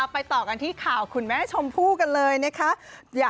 ไปต่อกันที่ข่าวคุณแม่ชมพู่กันเลยนะคะ